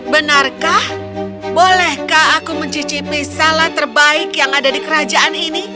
benarkah bolehkah aku mencicipi salad terbaik yang ada di kerajaan ini